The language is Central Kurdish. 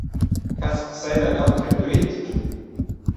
کەس قسەی لەگەڵ کردوویت؟